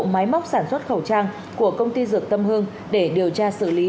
máy móc sản xuất khẩu trang của công ty dược tâm hương để điều tra xử lý